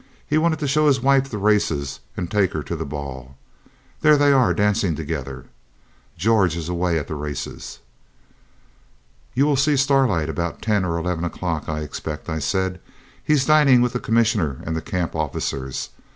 He wanted to show his wife the races, and take her to the ball. There they are, dancing together. George is away at the races.' 'You will see Starlight about ten or eleven o'clock, I expect,' I said. 'He's dining with the Commissioner and the camp officers.